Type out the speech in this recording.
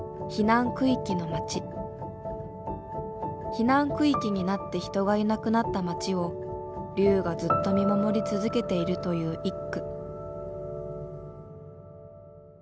避難区域になって人がいなくなった町を竜がずっと見守り続けているという一句。